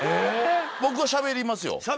僕はしゃべりますよ。